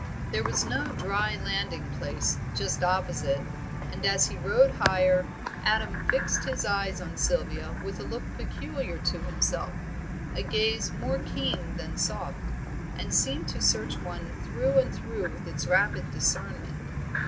There was no dry landing place just opposite, and as he rowed higher, Adam fixed his eyes on Sylvia with a look peculiar to himself, a gaze more keen than soft, which seemed to search one through and through with its rapid discernment.